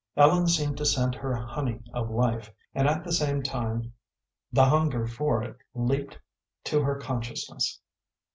Ellen seemed to scent her honey of life, and at the same time the hunger for it leaped to her consciousness.